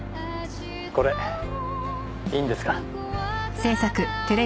これいいんですか？